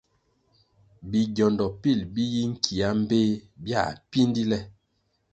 Bigiondo pil bi yi nkia mbpéh biãh píndí le.